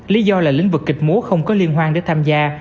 lý do là lĩnh vực kịch múa không có liên hoan để tham gia